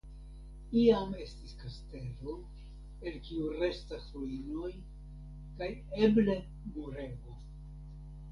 Iam estis kastelo (el kiu restas ruinoj) kaj eble murego.